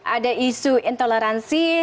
ada isu intoleransi